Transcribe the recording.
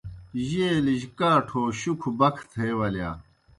جیلِجیْ کاٹھو شُکھہ بکھہ تھے ولِیا۔